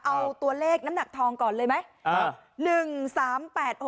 เอาตัวเลขน้ำหนักทองก่อนเลยไหม